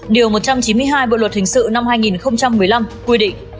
điều một trăm chín mươi hai bộ luật hình sự năm hai nghìn một mươi năm quy định